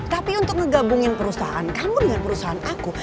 tapi untuk ngegabungin perusahaan kamu dengan perusahaan aku